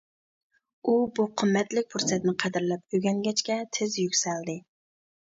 ئۇ بۇ قىممەتلىك پۇرسەتنى قەدىرلەپ ئۆگەنگەچكە تېز يۈكسەلدى.